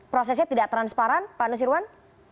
prosesnya tidak transparan pak nusirwan